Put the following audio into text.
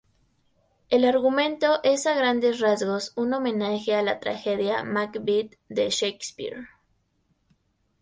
El argumento es a grandes rasgos un homenaje a la tragedia "Macbeth" de Shakespeare.